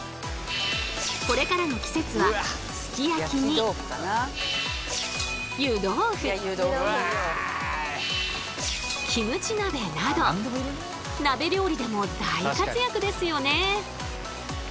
これからの季節はすき焼きに湯豆腐キムチ鍋など鍋料理でも大活躍ですよね！